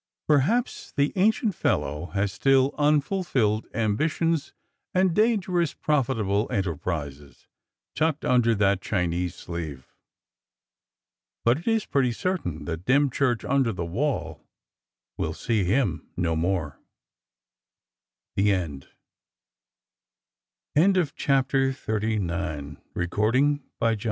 Perhaps the ancient fellow has still unfulfilled am bitions and dangerous, profitable enterprises tucked away under that Chinese sleeve. But it is pretty certain that Dymchurch under the Wall will see him no more. THE END THE COUNTRY LIFE PRESS GARDEN CITY, N. Y.